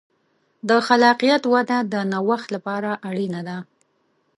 د خلاقیت وده د نوښت لپاره اړینه ده.